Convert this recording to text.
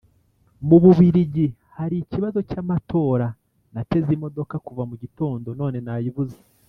Mu bubiligi hari ikibazo cyamatoraNateze imodoka kuva mu gitondo none nayibuze